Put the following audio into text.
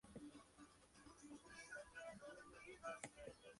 Una buena parte del recorrido, se puede hacer con vehículo todoterreno.